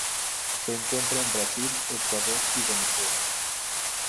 Se encuentra en Brasil, Ecuador y Venezuela.